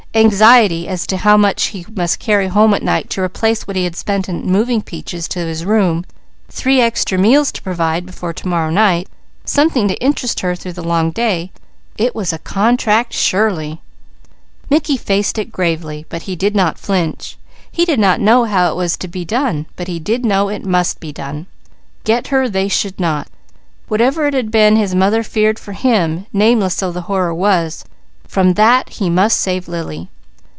Anxiety as to how much he must carry home at night to replace what he had spent in moving Peaches to his room, three extra meals to provide before to morrow night, something to interest her through the long day: it was a contract, surely! Mickey faced it gravely, but he did not flinch. He did not know how it was to be done, but he did know it must be done. "Get" her they should not. Whatever it had been his mother had feared for him, nameless though the horror was, from that he must save Lily.